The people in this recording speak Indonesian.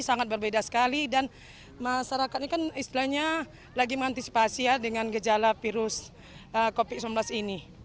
sangat berbeda sekali dan masyarakat ini kan istilahnya lagi mengantisipasi ya dengan gejala virus covid sembilan belas ini